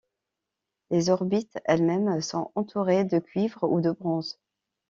Les orbites elles-mêmes sont entourées de cuivre ou de bronze.